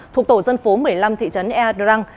thuộc tổ dân phố một mươi năm thị trấn e drang